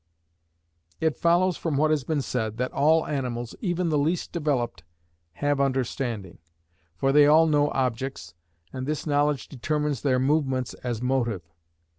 It follows from what has been said, that all animals, even the least developed, have understanding; for they all know objects, and this knowledge determines their movements as motive.